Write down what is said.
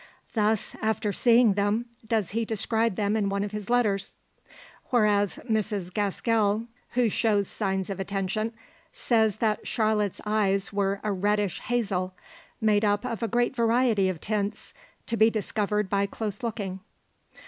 Thus, after seeing them, does he describe them in one of his letters. Whereas Mrs Gaskell, who shows signs of attention, says that Charlotte's eyes were a reddish hazel, made up of "a great variety of tints," to be discovered by close looking.